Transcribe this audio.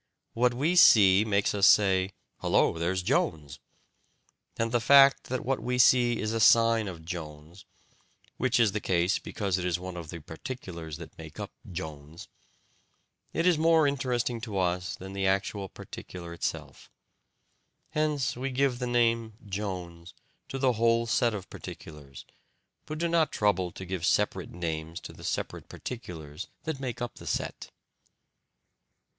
What we see makes us say "Hullo, there's Jones," and the fact that what we see is a sign of Jones (which is the case because it is one of the particulars that make up Jones) is more interesting to us than the actual particular itself. Hence we give the name "Jones" to the whole set of particulars, but do not trouble to give separate names to the separate particulars that make up the set.